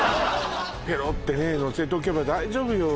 ペロってねのせとけば大丈夫よ